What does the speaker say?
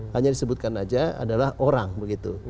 hanya disebutkan saja adalah orang begitu